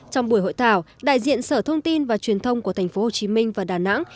trong buổi hội thảo đại diện sở thông tin và truyền thông của thành phố hồ chí minh và đà nẵng